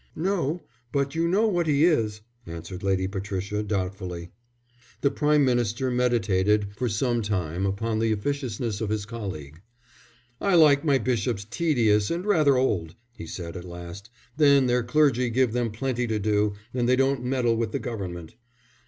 "No, but you know what he is," answered Lady Patricia, doubtfully. The Prime Minister meditated for some time upon the officiousness of his colleague. "I like my bishops tedious and rather old," he said, at last. "Then their clergy give them plenty to do, and they don't meddle with the Government."